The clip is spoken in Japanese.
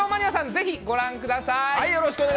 ぜひご覧ください。